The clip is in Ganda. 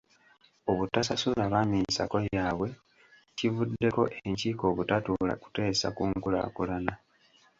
Obutasasula baami nsako yaabwe kivuddeko enkiiko obutatuula kuteesa ku nkulaakulana